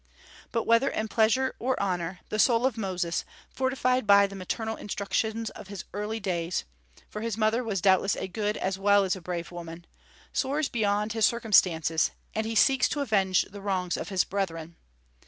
But whether in pleasure or honor, the soul of Moses, fortified by the maternal instructions of his early days, for his mother was doubtless a good as well as a brave woman, soars beyond his circumstances, and he seeks to avenge the wrongs of his brethren.